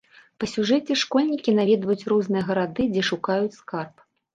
Па сюжэце школьнікі наведваюць розныя гарады, дзе шукаюць скарб.